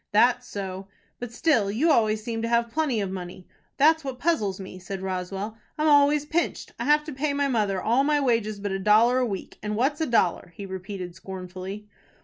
"That's so." "But still you always seem to have plenty of money. That's what puzzles me," said Roswell. "I'm always pinched. I have to pay my mother all my wages but a dollar a week. And what's a dollar?" he repeated, scornfully.